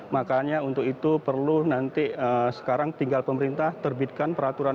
makanya untuk itu perlu nanti sekarang tinggal pemerintah terbitkan peraturan